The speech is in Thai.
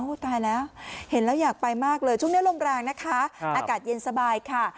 ตายแล้วเห็นแล้วอยากไปมากเลยช่วงนี้ลมแรงนะคะอากาศเย็นสบายค่ะ